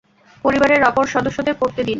পরিবারের অপর সদস্যদের পড়তে দিন।